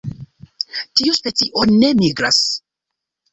Tiu specio ne migras.